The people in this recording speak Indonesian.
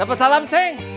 dapet salam ceng